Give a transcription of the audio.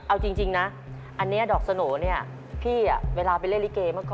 เอาจริงนะอันนี้ดอกสโน้พี่อะเวลาไปเรคลิเกมาก่อน